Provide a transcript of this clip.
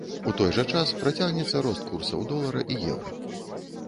У той жа час працягнецца рост курсаў долара і еўра.